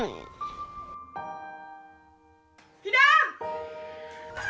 พี่น้ำ